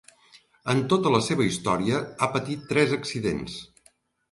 En tota la seva història ha patit tres accidents.